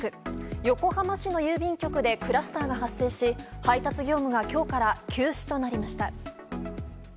横浜市の郵便局でクラスターが発生し配達業務が今日から休止となりました。